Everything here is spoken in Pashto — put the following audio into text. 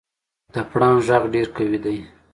د پړانګ غږ ډېر قوي دی.